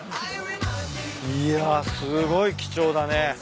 いやすごい貴重だね。